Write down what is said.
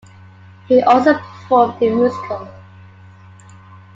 He also performed in musicals.